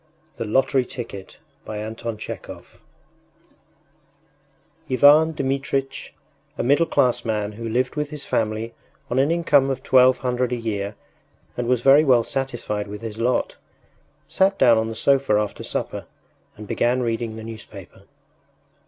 THE LOTTERY TICKET IVAN DMITRITCH, a middle class man who lived with his family on an income of twelve hundred a year and was very well satisfied with his lot, sat down on the sofa after supper and began reading the newspaper.